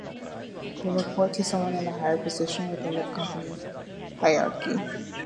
They report to someone in a higher position within the company hierarchy.